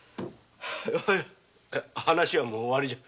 話はもう終わりじゃ。